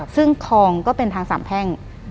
ซึ่งคลองก็เป็นทางสามแพ่ง